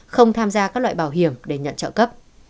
không tham gia các loại bảo hiểm để nhận trợ cấp